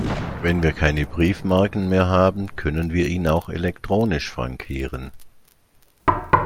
Wenn wir keine Briefmarken mehr haben, können wir ihn auch elektronisch frankieren.